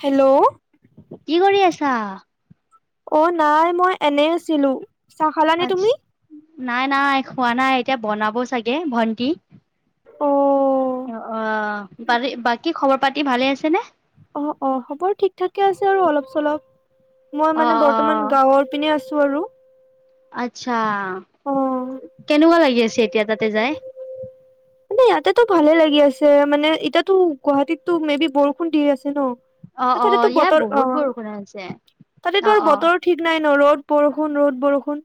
Hello. কি কৰি আছা? অ', নাই মই এনেই আছিলো, চাহ খালানে তুমি? নাই নাই খোৱা নাই। এতিয়া বনাব চাগে ভন্টি অ অ', অ' বাকী খবৰ পাতি ভালে আছে নে? অ', অ' খবৰ ঠিক ঠাকে আছে আৰু অলপ চলপ। মই অ' মানে বৰ্তমান অ' গাঁৱত পিনে আছো আৰু। আচ্ছা। অ কেনেকুৱা লাগি আছে এতিয়া তাতে যায়? মানে ইয়াতেটো ভালে লাগি আছে। মানে এতিয়াটো গুৱাহাটীটোত মে বি বৰষুণ দি আছে ন। অ' তাতে অ' তো ইয়াত বতৰ, বহুত বৰষুণ আহিছে। অ' তাতেটো অ' আৰু অ' বতৰত ঠিক নাই ন। ৰ'দ বৰষুণ, ৰ'দ বৰষুণ।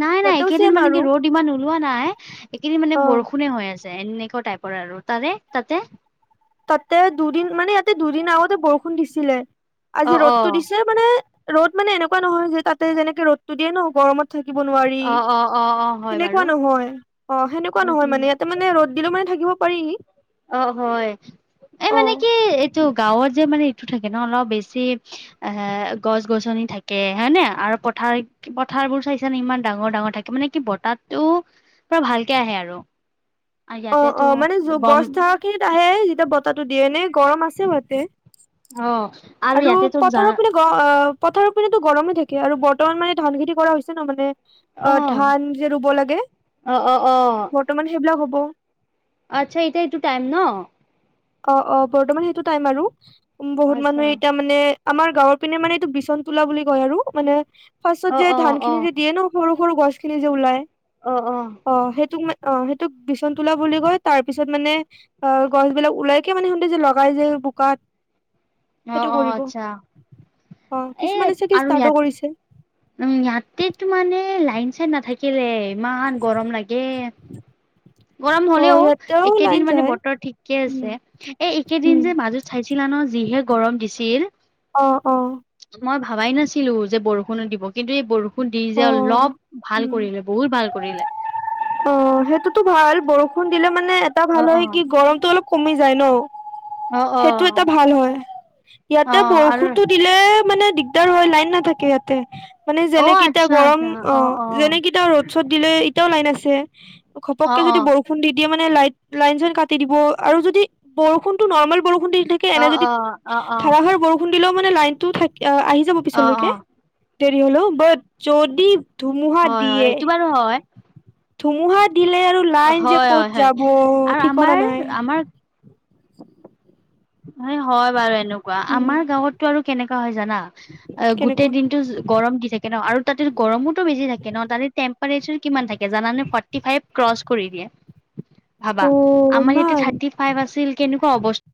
নাই নাই ইয়াতেও এইকেইদিন চেম মানে আৰু কি ৰ'দ ইমান ওলোৱা নাই এইকেইদিন মানে অ বৰষুণে হৈ আছে। এনেকুৱা টাইপৰ আৰু তাৰে তাতে তাতে দুদিন মানে, ইয়াতে দুদিন আগতে বৰষুণ দিছিলে আজি অ' ৰ'দটো অ' দিছে। মানে ৰ'দ মানে এনেকুৱা নহয় যে তাতে যেনেকে ৰ'দটো দিয়ে ন গৰমত থাকিব নোৱাৰি অ' অ' অ' অ' হয় সেনেকুৱা বাৰু নহয়। অ' সেনেকুৱা উম নহয় উম মানে ইয়াতে মানে দিলেও মানে থাকিব পাৰি। অ' হয় এই অ মানে কি এইটো গাঁৱত যে মানে টো থাকে ন অলপ বেছি, এ গছ গছনি থাকে হয়নে আৰু পথাৰ পথাৰবোৰ চাইছানে ইমান ডাঙৰ ডাঙৰ থাকে মানে কি বতাহ তো পুৰা ভালকে আহে আৰু অ ইয়াতেটো অ মানে [unintelligible] [unintelligible] আহে যেতিয়া বতাহটো দিয়ে, এনে গৰম আছে ইয়াতে। অ'। আৰু ইয়াতে তো জা পথাৰৰ পিনে অ', পথাৰৰ পিনেতো গৰমেই থাকে আৰু বৰ্তমানেটো মানে ধান খেতি কৰা হৈছে ন, মানে অ', ধান যে ৰুব লাগে, অ অ অ বৰ্তমান সেইবিলাক হ'ব। আচ্ছা, এতিয়া এইটো টাইম ন। অ', অ', বৰ্তমান সেইটো টাইম আৰু, বহুত আচ্ছা মানুহে এতিয়া মানে আমাৰ গাঁৱৰ পিনে মানে এইটো বিচন তোলা বুলি কয় আৰু, মানে পাছত অ যে অ ধান অ খিনি যে দিয়ে ন, সৰু সৰু গছখিনি যে ওলায়। অ', অ'। অ', সেইটোক মানে, অ', সেইটোক বিচন তোলা বুলি কয়, তাৰপিছত মানে অ', গছ বিলাক ওলাইকে মানে সিহঁতে যে লগাই যে বোকাত। সেইটো অ', অ', কৰিব আচ্ছা। অ', এ কিছুমানে চাগে আৰু ইয়াত ষ্টাৰ্টো কৰিছে। উম, ইয়াতেতো মানে লাইন চাইন নাথাকিলে, ইমান গৰম লাগে। গৰম অ হলেও ইয়াতেও লাইন এইকেইদিন মানে যায় বতৰ ঠিকেই উম আছে, এই একেদিন উম যে মাজত চাইছিলা ন, যিহে গৰম দিছিল। অ', অ'। মই ভাবাই নাছিলো যে, বৰষুণো দিব, কিন্তু এই বৰ ষুণ দি যে অ অলপ ভাল উম কৰিলে, বহুত ভাল কৰিলে। অ', সেইটোতো ভাল, বৰষুণ দিলে মানে এটা অ ভাল অ হয় কি, গৰমতটো অলপ কমি যায় ন, অ অ সেইটো এটা ভাল হয়, অ ইয়াতে আৰু বৰষুণটো দিলে মানে দিগদাৰ হয়, লাইন নাথাকে ইয়াতে। মানে অ যেনেকে এতিয়া আচ্ছা গৰম, আচ্ছা অ', যেনেকে এতিয়া ৰ'দ চদ দিলে এতিয়াও লাইন আছে, অ অ ঘপককে অ যদি বৰষু ষূণ দি দিয়ে মানে, লাইট, লাইন চাইন কাটি দিব আৰু যদি বৰষুণটো নৰ্মেল বৰষুণ দি থাক অ এনে যদি অ ধাৰাসাৰ বৰষুণ ষূণ দিলেও মানে লাইনটো থা আহি যাব অ অ অ পিছলৈকে, দেৰি হলেও, বাত যদি ধুমুহা হয় হয় দিয়ে, এইটো বাৰু হয় ধুমুহা দিলে আৰু লাইন যে হয় ক'ত হয় হয় যাব? আৰু ঠিকনা আমাৰ নাই। আমাৰ এই হয় বাৰু এনে কুৱা, উম, আমাৰ গাঁৱতটো আৰু কেনেকা হয় জানা? অ', কেনেকুৱা গোটেই দিনটো গৰম দি থাকে ন আৰু তাতে গৰমতো বেছি থাকে ন, তাতে টেম তেম্পেৰেছৰ কিমান থাকে জানানে? ফ'ৰ্টি ফাইভ ক্ৰছ কৰি দিয়ে। ভাবা, অ' আমাৰ ইয়াতে ইমান থাৰ্টি ফাইভ আছিল, কেনেকুৱা অৱচ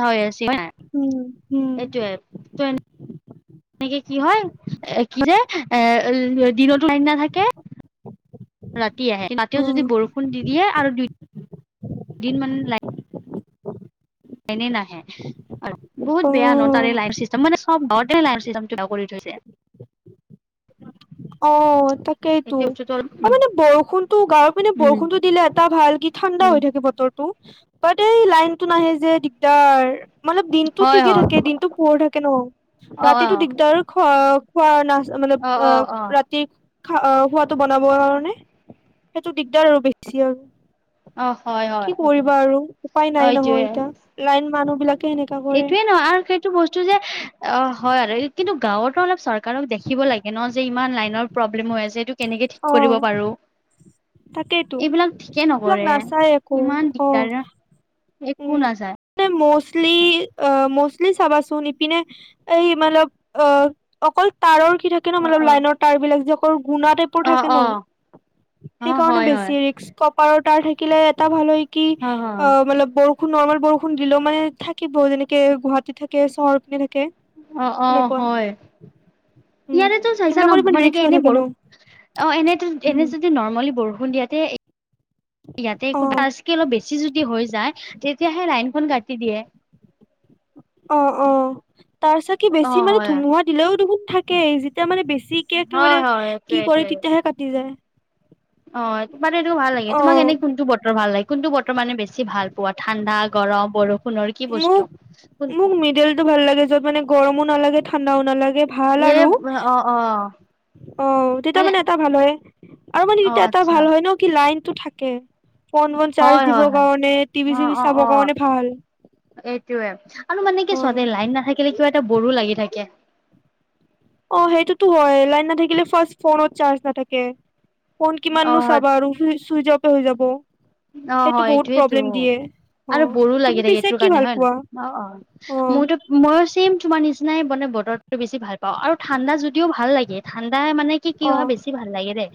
হৈ আছিল, [unintelligible] উম, উম, এইটোৱেই। এনেকে কি হয়? [unintelligible] এ দিনতো লাইন নথাকে। ৰাতি আহে, ৰাাতিও যদি অ', বৰষুণ দি দিয়ে আৰু দুই [unintelligible] দিন মানে লাই লাইনেই নাহে আৰু, বহুত বেয়া অ', ন'। লাইন চিষ্টেম, [unintelligible] লাইন চিষ্টেম বেয়া কৰি থৈছে। অ', তাকেইতো। এতিয়া বস্তুটো অলপ অ', মানে বৰষুণতো, গাঁৱৰ পিনে উম বৰষুণটো দিলে এটা ভাল, কি ঠাণ্ডা উম হৈ থাকে বতৰটো। এই লাইনটো নাহে যে দিগদাৰ। মতলব দিনটো হয় ঠিকে হয় থাকে, দিনতো পোহৰ থাকে ন', অ অ ৰাতিটো দিগদাৰ খ খোৱা নাচ, মানে, অ' ৰাতি খোৱটো বনাবৰ কাৰণে, সেইটো দিগদাৰ আৰু বেছি আৰু। অ হয় হয় কি কৰিবা আৰু উপায় অ নাই নহয় এতিয়া লাইন মানুহ বিলাক এইটোৱে ন আৰু সে টো বস্তু যে অ হয় আৰু কিন্তু গাওঁতোঁ অলপ চৰকাৰক দেখিব লাগে ন যে ইমান লাইনৰ প্ৰব্লেম হৈ আছে এইটো কেনেকে ঠিক অ কৰিব পাৰো? তাকেইতো এইবিলাক ঠিকেই এইবিলাক নকৰে, নাচায় একো ইমান অ দিগদাৰ উম একো নাযায়। ম'ষ্টলি, ম'ষ্টলি চাবাছোন ইপিনে এই মতলৱ অ', অকল তাঁৰৰৰ কি থাকে ন অ মানে, অ লাইনৰ তাৰ বিলাক যে অকল গুণাতে বোৰ অ থাকে ন, অ অ সেইকাৰণে হয় বেছি হয় ৰিক্স ক কপাৰৰ তাৰ থাকিলে এটা ভাল হয় কি অ মতলৱ বৰষুণ, নৰ্মেল বৰষুণ দিলেও মানে, থাকিব যেনেকে গুৱাহাটী থাকে চহৰখিনি থাকে। অ', অ', সেনেকুৱা হয় উম ইয়াৰেতো চাইছা ন সেইবিলাকৰ ইমান মানে ৰিস্ক কি এনে নাথাকে ন বৰষ অ, এনেটো উম এনে যদি নৰ্মেলি বৰষুণ দিয়াতে ইয়াতে একো অ ফাছ কে অলপ বেছি যদি হৈ যায় তেতিয়াহে লাইন খন কাটি দিয়ে। অ' অ' তাৰ চাগে অ' বেছি মানে হয়। ধুমুহা দিলেও দেখোন থাকে, যেতিয়া মানে বেছি কে হয় একেবাৰে হয় এইটোৱে কি কৰে এইটোৱে। তেতিয়াহে কাটি যায়। অ মানে এইটো ভাল লাগে অ তোমাক এনে কোনটো বতৰ ভাল লাগে? কোনতো বতৰ মানে বেছি ভাল পোৱা ঠাণ্ডা, গৰম বৰষ মোক মোক মিডিলতটো ভাল লাগে য'ত মানে গৰমো নালাগে ঠাণ্ডাও নালাগে। ভাল এ আৰু অ' অ' অ, তেতিয়া মানে এটা ভাল হয়। আৰু মানে অ' এতিয়া এটা আচ্ছা। ভাল হয় ন কি লাইনতটো থাকে। ফোন, বন চাৰ্জ হয় হয় দিবৰ হয়। কাৰণে টিভি চিভি চাবৰ কাৰণে ভাল। এইটোৱে আৰু মানে, অ কি চোৱা দেই লাইন নাথাকিলে কিবা এটা বড়ো লাগি থাকে। অ সেইটোতো হয়, লাইন নথাকিলে ফাৰ্ষ্ট ফোনত চাৰ্জ নাথাকে। ফোন অ' কিমাননো হয়। চাবা আৰু চুইচ অপে হৈ যাব। অ, সেইটো হয় বহুত এইটোয়েতো। প্ৰব্লেম দিয়ে অ আৰু বড়ো লাগি তুমি থাকে পিছে এইটো কি কাৰণে ভাল হয়, পোৱা অ অ অ মোৰতো মইও চেইম তোমাৰ নিচিনাই মানে বতৰটো বেছি ভাল পাওঁ, আৰু ঠাণ্ডা যদিও ভাল লাগে ঠাণ্ডা মানে কি কি অ হয় বেছি ভাল লাগে দেই,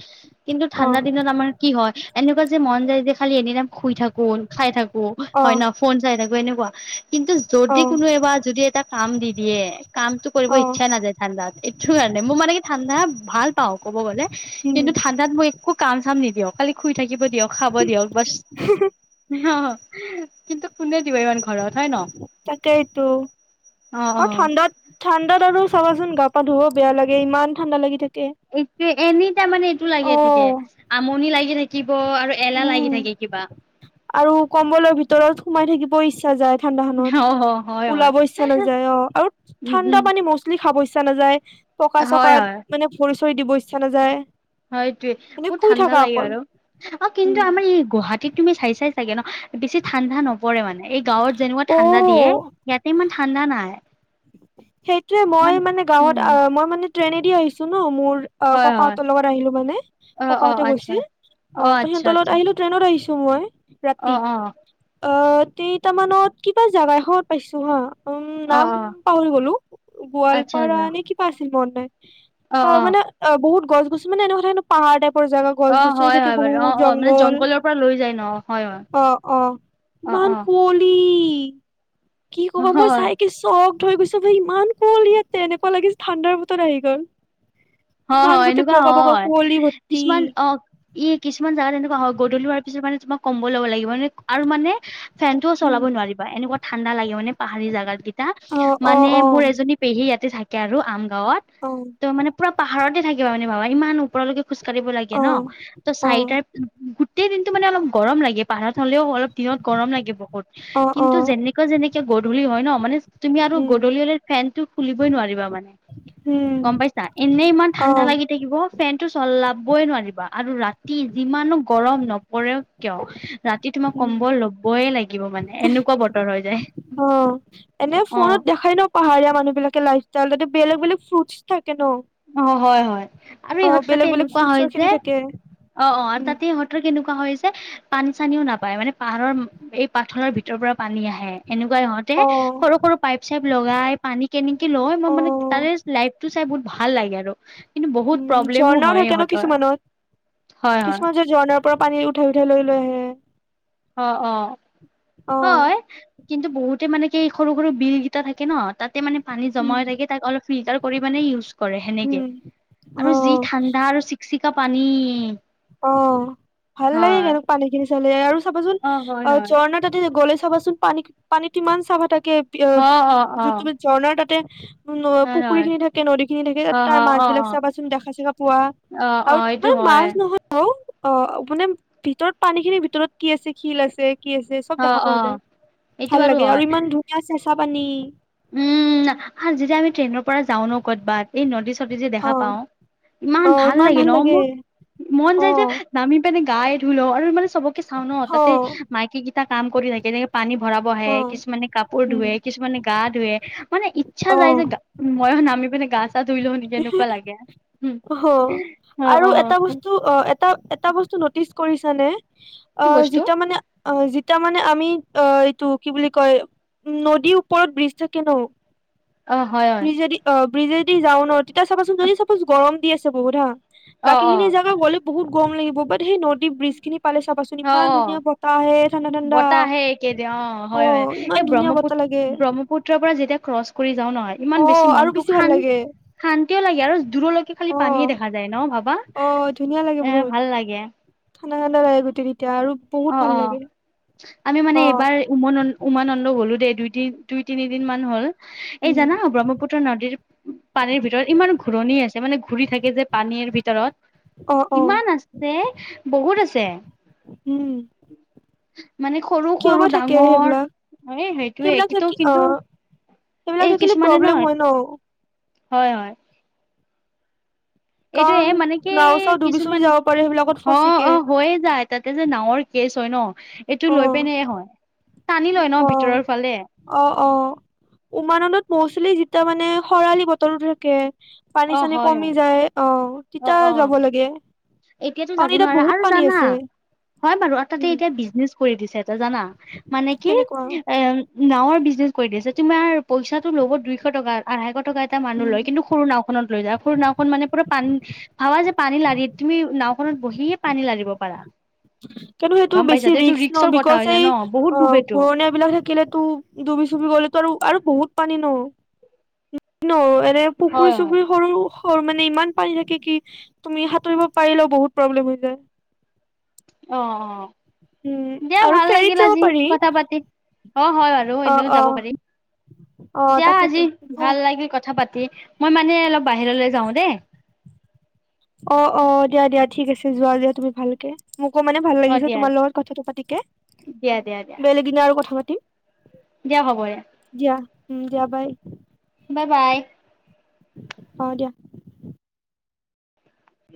কিন্তু অ ঠাণ্ডা দিনত আমাৰ কি হয় এনেকুৱা যে মন যায় যে খালি এনি টাইম শুই থাকো, খাই থাকো, অ হয় ন ফোন চাই থাকো এনেকুৱা। কিন্তু অ যদি কোনো এবাৰ যদি এটা কাম দি দিয়ে, কামটো কৰিব অ ইচ্ছা নাযায়। ঠাণ্ডাত এইটো কাৰণে মোৰ মানে কি ঠাণ্ডা ভাল পাওঁ ক'ব গ'লে। উম। তাত মই একো কাম চাম নিদিয়ক, খালি শুই থাকিব দিয়ক, খাব দিয়ক। বাছ, অনহ কিন্তু কোনে দিব ইমান ঘৰত হয় ন? তাকেই টো। অ অ ঠাণ্ডাত আৰু চাবাচোন গা পা ধুবও বেয়া লাগে ইমান ঠাণ্ডা লাগি থাকে। এইটোৱে এনি টাইম মানে এইটো অ লাগে থাকে আমনি লাগি থাকে। থাকিব আৰু এলাহ উম লাগি থাকে কিবা। আৰু কম্বলৰ ভিতৰত সোমাই থাকিব ইচ্ছা যায়। ঠাণ্ডা অ', অ', হয়, খনত হয়। ওলাব ইচ্ছা নাযায়, অ আৰু উম, উম, ঠাণ্ডা পানী মচ তুমি খাব ইচ্ছা নাযায়, পকা হয়, চকাত হয়, মানে ভৰি চৰি দিব ইচ্ছা নাযায়। হয় এটোৱে মানে বহুত শুই ঠাণ্ডা থাকা লাগে অকল আৰু অ কিন্তু উম আমাৰ ই গুৱাহাটীত তুমি চাই চা চাগে ন বেছি ঠাণ্ডা নপৰে মানে এই গাঁৱত যেনেকুৱা ঠাণ্ডা দিয়ে অ ইয়াতে ইমান ঠাণ্ডা নাই। সেইটোয়ে মই ইমান মানে গাওঁত উম, মই মানে ট্ৰেইনেদি আহিছোঁ ন মোৰ অ', হয়, হয়। ককাহঁতৰ লগত আহিলোঁ মানে অ', অ', ককাহঁতে আচ্ছা। গৈছিল অ', ত আচ্ছা, সিহঁতৰ লগত আচ্ছা। আহিলোঁ। ট্ৰেইনত আহিছোঁ মই ৰাতি অ', অ', অ', কেইটামানত কিবা জাগা এখনত পাইছোঁ হা, উম নাম অ', অ', পাহৰি গলোঁ। আচ্ছা, গোৱালপাৰা আচ্ছা। এনে কিবা আছিল মন নাই অ', তাৰ অ'। মানে বহুত গছ-গছনি মানে, এনেকথা এক পাহাৰ টাইপৰ জাগা। গছ অ গছনি হয় থাকে, হয় বাৰু অ বহুত অ মানে জংঘল জংঘলৰ পৰা লৈ যায় ন হয় হয় অ', অ'। অ ইমান কুঁৱলি কি অ ক'বা মই হয় চাইকে চকদ হৈ গৈছোঁ। তাতে ইমান কুঁৱলী আছে এনেকুৱা লাগিল ঠাণ্ডাৰ বতৰত আহি গ'ল। অ', ইমান হয় গোটেই এনেকুৱা বগা বগা হয় কুঁৱলী ভৰ্তি কিছুমান অ'। ই কিছুমান জেগাত তেনেকুৱা হয়, গদূলিহোৱাৰ পিছত মানে তোমাৰ কম্বল ল'ব লাগিব মানে আৰু মানে ফেনটো ও উম চলাব নোৱাৰিবা এনেকুৱা ঠাণ্ডা লাগে মানে পাহাৰীয়া জেগাত কেইটা অ অ মানে অ মোৰ এজনী পেহী ইয়াতে থাকে আৰু আম গাঁৱত। অ'। মানে পুৰা পাহাৰতে থাকিবা মানে বাবা ইমান ওপৰলৈকে খোজ কাঢ়িব লাগে অ ন ত' অ চাৰিটা গোটেই দিনটো মানে অলপ গৰম লাগে পাহাৰত হ'লেও অলপ দিনত গৰম লাগে বহুত। অ অ কিন্তু যেনেকুৱা যেনেকে গধূলি হয় ন মানে তুমি আৰু উম গধূলি হ'লে ফেনটো খুলিবই নোৱাৰিবা মানে। উম। এনেই ইমান অ ঠাণ্ডা লাগে। থাকিব ফেন টো চলাবই নোৱাৰিবা আৰু ৰাতি যিমানো গৰম নপৰেক কিয় ৰাতি তোমাক উম কম্বল ল'বই লাগিব মানে এনেকুৱা বতৰ হৈ যায়। অ এনে অ ফোনত দেখাই ন পাহাৰীয়া মানুহ বিলাকে লাইফ ইষ্টাল তাতে বেলেগ, বেলেগ ফ্ৰুইটছ থাকে ন। অ হয় হয় আৰু অ', ইহঁতৰ তাতে বেলেগ, বেলেগ এনেকুৱা হয় ফ্ৰুটছৰ যে খেতি থাকে। অ', অ', আৰু উম তাতে সিহঁতৰ কেনেকুৱা হয় যে পানী চানীও নাপায় মানে পাহাৰৰ এই পাথৰৰ ভিতৰত যৰ পৰা পানী আহে এনেকুৱা সিহঁতে অ সৰু, সৰু পাইপ, চাইপ লগাই পানী কেনেকে লয় অ মই মানে তাৰে লাইফ টো চাই বহুত ভাল লাগে আৰু। কিন্তু উম বহুত প্ৰব্লেমো ঝৰ্ণাও হয় থাকে ন ইহঁতৰ। কিছুমানত হয় হয় কিছুমান যে ঝৰ্ণাৰ পৰা পানী উঠাই, উঠাই লৈ লৈ আহে। অ', অ', অ হয়। কিন্তু বহুতে মানে কি এই সৰু, সৰু বিলকেইটা থাকে ন তাত তাতে মানে পানী জমা উম হৈ থাকে তাক অলপ ফিল্টাৰ কৰি মানে ইউজ কৰে সেনেকে। উম আৰু যি অ ঠাণ্ডা আৰু চিকচিকা পানী। অ', ভাল লাগে হয় কেনে পানী খিনি চালে আৰু চাবাচোন হয় অ', হয় ঝৰ্ণা তাতে গ'লে চাবাচোন। পানী পানীতো ইমান চাফা থাকে উ অ অ অ যোনটো মানে ঝৰ্ণাৰ তাতে উ হয় পুখুৰী হয় খিনি থাকে নদীখিনি থাকে অ তাৰ অ মাছ অ বিলাক অ চাবাচোন দেখা চেখা পোৱা। অ আৰু অ এইটো মানে হয় মাছ নহয়। আৰু অ', মানে ভিতৰত পানী খিনিৰ ভিতৰত কি আছে শিল আছে। কি আছে চব অ দেখা অ পোৱা যায়, এইটো ভাল বাৰু লাগে হয় আৰু ইমান ধুনীয়া চেঁচা পানী। উম আৰু যেতিয়া আমি ট্ৰেইনৰ পৰা যাওঁ ন ক'বাত। এই নদী চদী যে দেখা অ', পাওঁ ইমান ভাল লাগে ন মোৰ মন যায় যে অ', নামি পেনে গাই ধুই লওঁ আৰু মানে চবকে চাওঁ ন তাতে অ', মাইকী কেইটা কাম কৰি থাকে তেনেকে পানী ভৰাব আহে অ', কিছুমানে কাপোৰ উম, ধুৱে কিছুমানে গা ধুুৱে মানে ইচ্ছা যায় অ'। যে মইও নামি পিনে গা তাত ধুই লওঁ নেকি এনেকুৱা লাগে উম হ অ আৰু অ। এটা বস্তু অ এটা এটা বস্তু নটিচ কৰিছানে অ কি বস্তু যেতিয়া মানে। অ যেতিয়া মানে আমি অ এইটো কি বুলি কয় নদীৰ ওপৰত ব্ৰীজ থাকে ন। অ হয় হয়। যদি অ ব্ৰিজে দি যাওঁ ন তেতিয়া চাবাচোন যদি চাপচ গৰম দি আছে বহুত হা। অ অ বাকীখিনি জেগা গ'লেও বহুত গৰম লাগিব বাট সেই নদী ব্ৰিজ খিনি পালে চাবাচোন। অ ইমান অ ধুনীয়া বতাহ আহে ঠাণ্ডা ঠাণ্ডা বতাহ আহে এইকেইদিন হয় অ ইমান ধুনীয়া বতাহ লাগে। তাৰ পৰা যেতিয়া ক্ৰচ কৰি যাওঁ নহয় অ ইমান বেছি আৰু মনটো ভাল শান। লাগে শান্তিও লাগে আৰু দূৰলৈকে খালি অ পানীয়ে দেখা যায় ন ভাবা। অ ধুনীয়া লাগে এ বহুত ভাল লাগে। ঠাণ্ডা ঠাণ্ডা লাগে গোটেই তেতিয়া আৰু। বহুত অ ভাল অ লাগে আমি মানে অ এইবাৰ। উমনন্দ উমানন্দ গ'লো দেই দুই দুই তিনিদিন মান হ'ল। এই উম জানা ব্ৰহ্মপুত্ৰৰ নদীৰ। পানীৰ ভিতৰত ইমান ঘূৰণি আছে মানে ঘূৰি থাকে যে পানীৰ ভিতৰত। অ অ ইমান আছে বহুত আছে। উম। [unintelligible] মানে সৰু কিয় সৰু বা থাকে ডাঙৰ সেইবিলাক এ সেইটোৱেই সেইবিলাক কিতো থাকি অ কিন্তু। সেইবিলাক এই থাকিলে কিছুমানে ন প্ৰব্লেম হয় ন। হয় হয়। এইটোয়ে কাৰণ মানে কি নাও চাও ডুবি চুবি কিছুমান যাব পাৰে সেইবিলাকত অ ফচিকে অ হৈয়ে যায়। তাতে যে নাৱৰ কেচ হয় ন এইটো অ লৈ পিনে হয় টানি লয় ন অ ভিতৰৰ ফালে। অ অ উমানন্দত মৌচলি যেতিয়া মানে খৰালি বতৰো থাকে। অ পানী চানী হয় কমি হয় যায় অ অ তেতিয়া অ যাব লাগে। এতিয়াতো কাৰণ যাব এতিয়া নোৱাৰা বহুত আৰু পানী জানা আছে হয় বাৰু আৰু তাতে উম এতিয়া বিজনেচ। কৰি দিছে এটা জানা মানে কি কেনেকুৱা এ। নাৱৰ বিজনেছ কৰি দিছে তোমাৰ পইচাটো ল'ব দুইশ টকা আঢ়াইশ টকা এটা মানুহ উম লয় কিন্তু সৰু নাও। খনত লৈ যায় সৰ নাওখন মানে পোৰা পানী। ভাৱা যে পানী লাৰি তুমি নাওখনত বহিয়ে পানী লাৰিব পাৰা। কিন্তু সেইটো গম পাইছা বেছি এইটো ৰিস্ক ন ৰিক্সৰ কথা বিকজ হৈ এই যায় ন বহুত অ ডুবেটো ঘূৰণীয়া বিলাক থাকিলেতো। ডুবি চুবি গ'লেতো আৰু আৰু বহুত পানী ন ন। পুখুৰী হয় হয় চুখুৰী সৰু। ৰ মানে ইমান পানী থাকে কি তুমি সাঁতুৰিব পাৰিলেও বহুত প্ৰব্লেম হৈ যায়। অঁ উম দিয়া আৰু ভাল ফেৰীত লাগিল যাব আজি পাৰি কথা পাতি অ হয় বাৰু। আৰু অ এনেও অ যাব পাৰিম অ দিয়া তাকেতো আজি ভাল লাগিল কথা। পাতি মই মানে অলপ বাহিৰলৈ যাওঁ দেই। অ অ দিয়া দিয়া ঠিক আছে যোৱা [unintelligible] তুমি ভালকে। মোকো মানে ভাল অ লাগিছে দিয়া তোমাৰ লগত কথাটো পাতিকে দিয়া দিয়া দিয়া বেলেগ এদিনা আৰু কথা পাতিম। দিয়া হ'ব দিয়া। দিয়া উম দিয়া বাই। Bye bye. অঁ দিয়া।